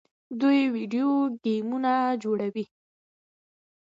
دوی ویډیو ګیمونه جوړوي.